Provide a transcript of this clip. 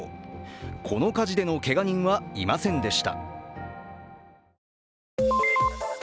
この火事でのけが人はいませんでした。